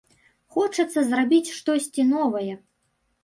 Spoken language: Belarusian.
Хочацца зрабіць штосьці новае.